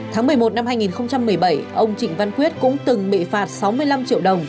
tháng một mươi một năm hai nghìn một mươi bảy ông trịnh văn quyết cũng từng bị phạt sáu mươi năm triệu đồng